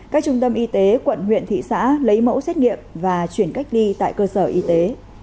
các trung tâm y tế quận huyện thị xã lấy mẫu xét nghiệm và chuyển cách ly tại cơ sở y tế